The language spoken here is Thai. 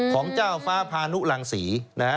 ของเจ้าฟ้าพานุรังศรี